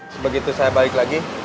sebegitu saya balik lagi